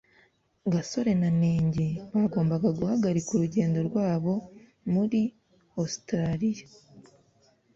gasore na nenge bagombaga guhagarika urugendo rwabo muri ositaraliya